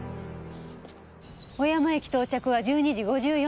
小山駅到着は１２時５４分。